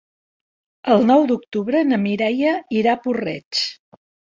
El nou d'octubre na Mireia irà a Puig-reig.